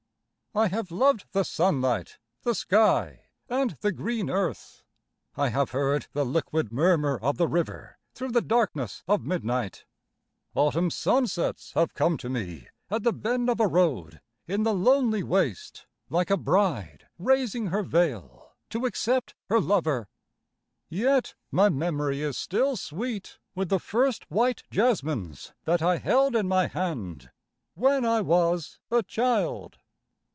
I have loved the sunlight, the sky and the green earth; I have heard the liquid murmur of the river through the darkness of midnight; Autumn sunsets have come to me at the bend of a road in the lonely waste, like a bride raising her veil to accept her lover. Yet my memory is still sweet with the first white jasmines that I held in my hand when I was a child.